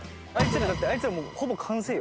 あいつらもうほぼ完成よ。